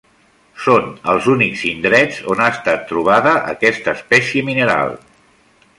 Són els únics indrets on ha estat trobada aquesta espècie mineral.